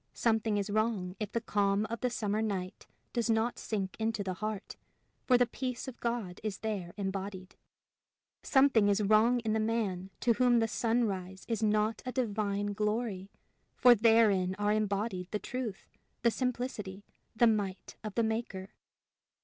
Something is wrong if the calm of the summer night does not sink into the heart, for the peace of God is there embodied. Sometime is wrong in the man to whom the sunrise is not a divine glory for therein are embodied the truth, the simplicity, the might of the Maker.